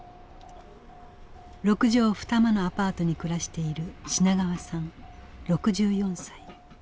六畳二間のアパートに暮らしている品川さん６４歳。